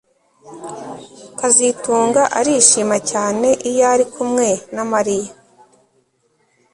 kazitunga arishima cyane iyo ari kumwe na Mariya